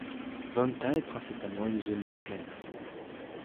Vantaa est principalement une zone des plaines.